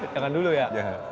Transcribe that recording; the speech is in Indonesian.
jangan dulu ya